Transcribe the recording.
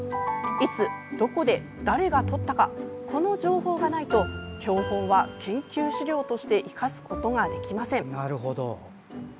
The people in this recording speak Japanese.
いつどこで誰がとったかこの情報がないと標本は研究資料として生かすことができません。